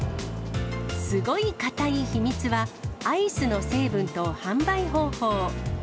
スゴイカタイ秘密は、アイスの成分と販売方法。